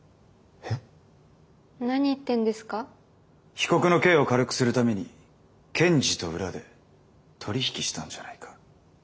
被告の刑を軽くするために検事と裏で取り引きしたんじゃないか？